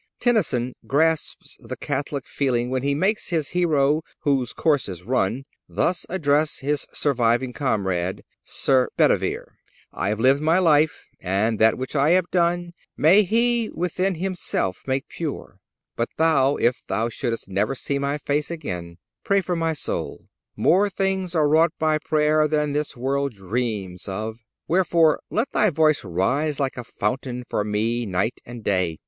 Tennyson grasps the Catholic feeling when he makes his hero, whose course is run, thus address his surviving comrade, Sir Bedivere: "I have lived my life, and that which I have done May He within Himself make pure; but thou, If thou shouldst never see my face again, Pray for my soul. More things are wrought by prayer Than this world dreams of. Wherefore, let thy voice Rise like a fountain for me night and day.